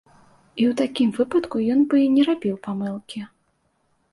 І ў такім выпадку, ён бы не рабіў памылкі.